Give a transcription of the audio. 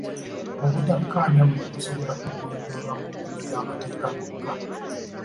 Obutakkaanya buno busobola kugonjoolebwa mu mbuga z'amateeka mwokka.